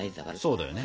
そうだよね。